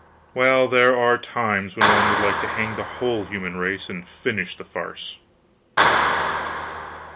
Well, there are times when one would like to hang the whole human race and finish the farce.